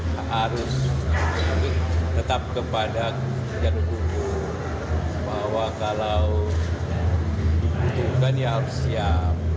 harus tetap kepada jalur hukum bahwa kalau dibutuhkan ya harus siap